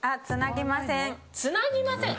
つなぎません？